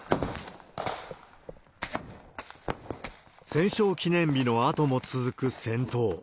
戦勝記念日のあとも続く戦闘。